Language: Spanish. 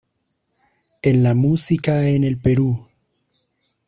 En La Música en el Perú.